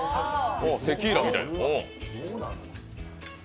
テキーラみたい。